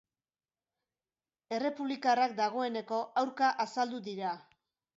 Errepublikarrak dagoeneko aurka azaldu dira.